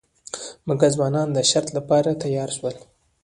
مګر ځوانان د شرط لپاره تیار شول.